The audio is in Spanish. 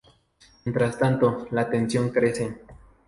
Mientras tanto, la tensión crece.